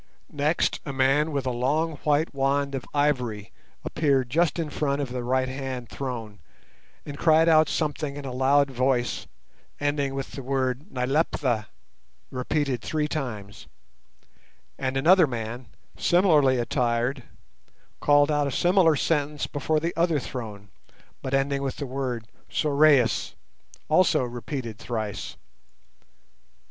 Next a man with a long white wand of ivory appeared just in front of the right hand throne, and cried out something in a loud voice, ending with the word Nyleptha, repeated three times; and another man, similarly attired, called out a similar sentence before the other throne, but ending with the word Sorais, also repeated thrice.